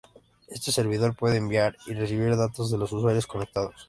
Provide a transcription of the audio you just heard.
Este servidor puede enviar y recibir datos de los usuarios conectados.